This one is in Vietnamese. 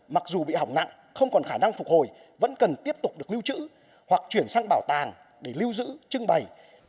mặc dù bị hỏng nặng không còn khả năng phục hồi vẫn cần tiếp tục được lưu trữ hoặc chuyển sang bảo tàng để lưu giữ trưng bày